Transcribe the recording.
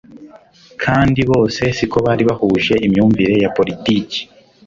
kandi bose si ko bari bahuje imyumvire ya politiki